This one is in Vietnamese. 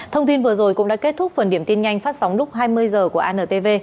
thông tin vừa rồi cũng đã kết thúc phần điểm tin nhanh phát sóng lúc hai mươi h của antv